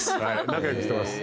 仲良くしてます。